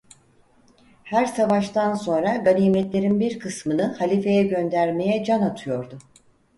Her savaştan sonra ganimetlerin bir kısmını halifeye göndermeye can atıyordu.